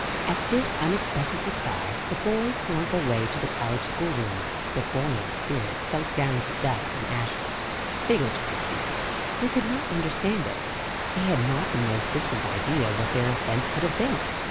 At this unexpected reply, the boys slunk away to the college schoolroom, their buoyant spirits sunk down to dust and ashes figuratively speaking. They could not understand it; they had not the most distant idea what their offence could have been.